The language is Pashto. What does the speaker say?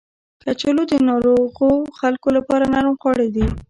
کچالو د ناروغو خلکو لپاره نرم خواړه دي